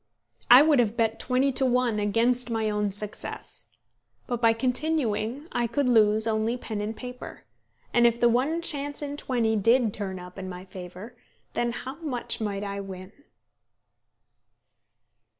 I would have bet twenty to one against my own success. But by continuing I could lose only pen and paper; and if the one chance in twenty did turn up in my favour, then how much might I win!